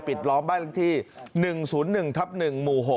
ปิดล้อมบ้านที่๑๐๑๑หมู่๖